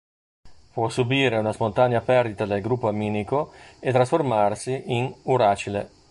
Può subire una spontanea perdita del gruppo amminico e trasformarsi in uracile.